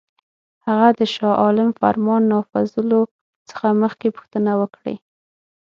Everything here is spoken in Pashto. هغه د شاه عالم فرمان نافذولو څخه مخکي پوښتنه وکړي.